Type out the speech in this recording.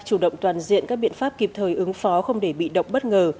chủ động toàn diện các biện pháp kịp thời ứng phó không để bị động bất ngờ